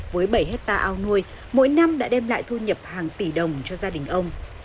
với bảy hectare ao nuôi mỗi năm đã đem lại thu nhập hàng tỷ đồng cho gia đình ông